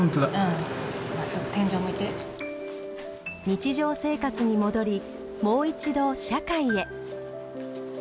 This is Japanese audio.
日常生活に戻りもう一度社会へ。